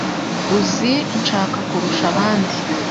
Uzi Shaka kurusha abandi.